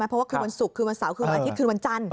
เพราะว่าคืนวันศุกร์คืนวันเสาร์คือวันอาทิตย์คืนวันจันทร์